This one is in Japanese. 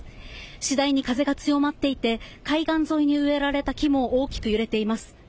次第に風が強まっていて海岸沿いに植えられた木も大きく揺れています。